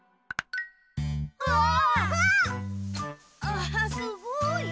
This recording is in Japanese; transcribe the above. あすごい！